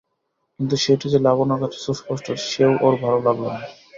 কিন্তু সেইটে যে লাবণ্যর কাছে সুস্পষ্ট সেও ওর ভালো লাগল না।